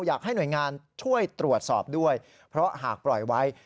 อยากให้หน่วยงานช่วยตรวจสอบด้วยเพราะหากปล่อยไว้